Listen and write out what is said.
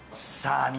さあ